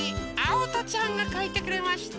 おとちゃんがかいてくれました。